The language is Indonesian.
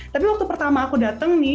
tapi waktu pertama aku datang nih